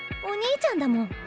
お兄ちゃんだもん。